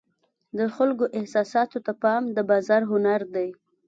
د خلکو احساساتو ته پام د بازار هنر دی.